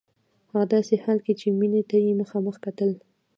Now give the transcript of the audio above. هغه داسې حال کې چې مينې ته يې مخامخ کتل.